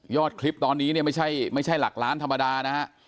ยอดคลิปตอนนี้ไม่ใช่หลักล้านธรรมดานะ